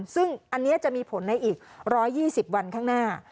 ซึ่งอันนี้จะมีผลในอีก๑๒๐วันข้างหน้า